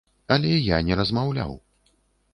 Але я не размаўляў.